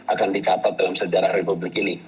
akan dicatat dalam sejarah republik ini